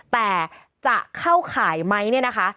แต่จะเข้าข่ายไหมเนี่ยนะคะ